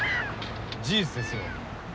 事実ですよ。